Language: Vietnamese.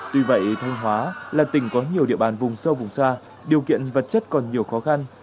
tuy vậy thanh hóa là tỉnh có nhiều địa bàn vùng sâu vùng xa điều kiện vật chất còn nhiều khó khăn